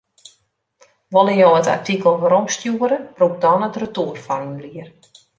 Wolle jo it artikel weromstjoere, brûk dan it retoerformulier.